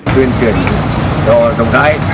truyền truyền cho đồng thái